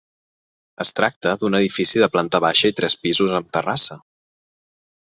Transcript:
Es tracta d'un edifici de planta baixa i tres pisos amb terrassa.